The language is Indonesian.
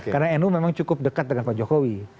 karena enu memang cukup dekat dengan pak jokowi